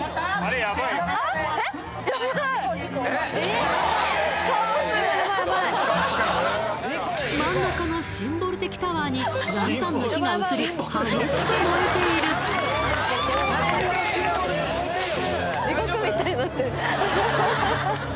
ヤバい真ん中のシンボル的タワーにランタンの火が移り激しく燃えている！になってるアハハ